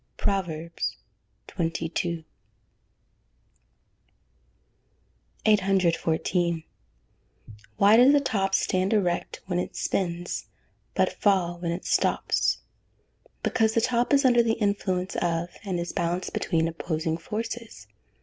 PROVERBS XXII.] 814. Why does a top stand erect when it spins, but fall when it stops? Because the top is under the influence of, and is balanced between opposing forces.